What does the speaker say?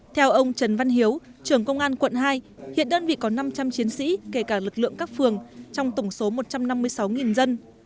theo ông trần văn hiếu trưởng công an quận hai hiện đơn vị có năm trăm linh chiến sĩ kể cả lực lượng các phường trong tổng số một trăm năm mươi sáu dân